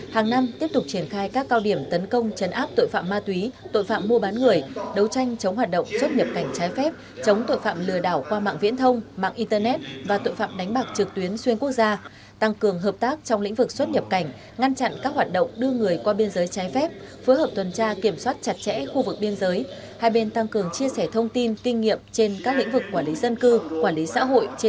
hàng năm tiếp tục triển khai các cao điểm tấn công chấn áp tội phạm ma túy tội phạm mua bán người đấu tranh chống hoạt động xuất nhập cảnh trái phép chống tội phạm lừa đảo qua mạng viễn thông mạng internet và tội phạm đánh bạc trực tuyến xuyên quốc gia tăng cường hợp tác trong lĩnh vực xuất nhập cảnh ngăn chặn các hoạt động đưa người qua biên giới trái phép phối hợp tuần tra kiểm soát chặt chẽ khu vực biên giới hai bên tăng cường chia sẻ thông tin kinh nghiệm trên các lĩnh vực quản lý dân cư quản lý xã hội